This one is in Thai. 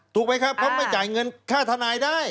ถูกไหมครับเขาไม่จ่ายเงินค่าทนายได้